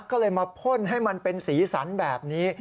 ก็เลยมาพ่นให้มันเป็นสีสันแบบนี้